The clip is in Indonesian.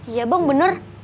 iya bang bener